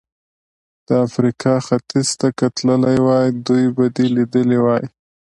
د افریقا ختیځ ته که تللی وای، دوی به دې لیدلي وای.